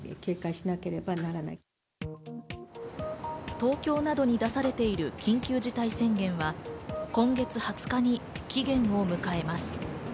東京などに出されている緊急事態宣言は今月２０日に期限を迎えます。